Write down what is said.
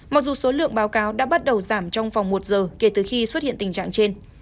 mặc dù số lượng báo cáo đã bắt đầu giảm trong vòng một giờ kể từ khi xuất hiện tình trạng trên